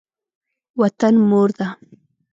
وطن مور ده.